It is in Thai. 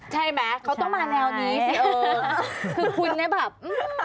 ใช่ไหมเขาต้องมาแนวนี้สิคือคุณเนี่ยแบบ